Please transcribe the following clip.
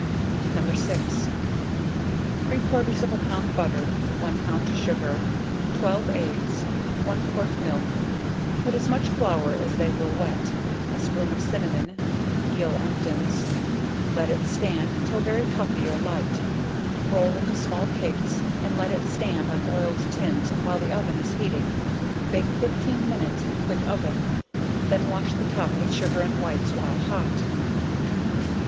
No. 6 Three quarters of a pound butter, one pound sugar, 12 eggs, one quart milk, put as much flour as they will wet, a spoon of cinnamon, gill emptins, let it stand till very puffy or light; roll into small cakes and let it stand on oiled tins while the oven is heating, bake 15 minutes in a quick oven, then wash the top with sugar and whites, while hot.